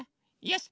よし！